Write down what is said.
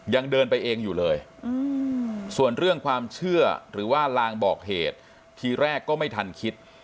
ยังเดินไปเองอยู่เลยส่วนเรื่องความเชื่อหรือว่าลางบอกเหตุทีแรกก็ไม่ทันคิด